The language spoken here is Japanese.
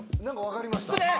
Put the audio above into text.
何か分かりました。